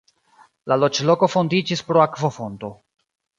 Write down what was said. La loĝloko fondiĝis pro akvofonto.